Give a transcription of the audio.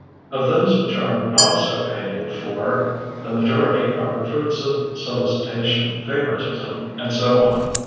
Of those which are not so paid for, the majority are the fruits of solicitation, fa voritism, and so on.